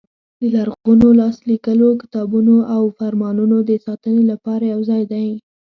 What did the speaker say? د لرغونو لاس لیکلو کتابونو او فرمانونو د ساتنې لپاره یو ځای دی.